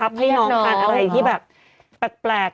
การอะไรที่แบบแปลก